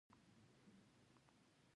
د لۍ د پړسوب لپاره د تور چای اوبه وکاروئ